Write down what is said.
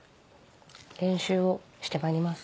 練習をしてまいります。